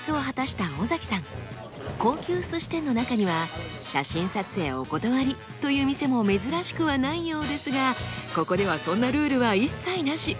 高級鮨店の中には「写真撮影お断り」という店も珍しくはないようですがここではそんなルールは一切なし。